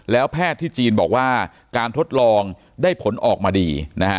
แล้วแพทย์ที่จีนบอกว่าการทดลองได้ผลออกมาดีนะฮะ